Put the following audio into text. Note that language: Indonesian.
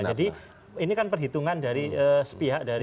jadi ini kan perhitungan dari sepihak dari